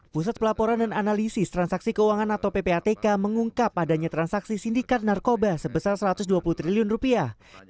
pusat pelaporan dan analisis transaksi keuangan atau ppatk mengungkap adanya transaksi sindikat narkoba sebesar satu ratus dua puluh triliun rupiah